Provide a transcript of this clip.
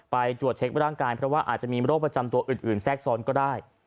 ไปตรวจเช็คร่างกายเพราะว่าอาจจะมีโรคประจำตัวอื่นแทรกซ้อนก็ได้